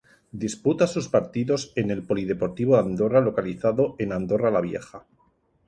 Disputa sus partidos en el Polideportivo D'Andorra localizado en Andorra La Vieja.